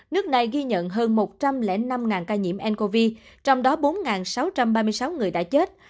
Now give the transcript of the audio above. nước này ghi nhận hơn một trăm linh năm ca nhiễm ncov trong đó bốn sáu trăm ba mươi sáu người đã chết